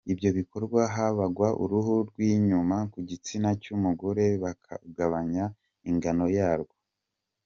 Ibyo bikorwa habagwa uruhu rw’inyuma ku gitsina cy’umugore bakagabanya ingano yarwo.